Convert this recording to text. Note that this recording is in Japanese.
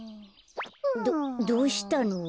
どどうしたの？